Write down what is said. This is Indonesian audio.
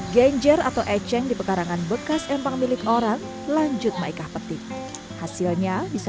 genjer atau eceng di pekarangan bekas empang milik orang lanjut maika petik hasilnya bisa